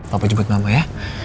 papa jemput mama ya